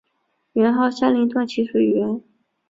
元昊下令断其水源。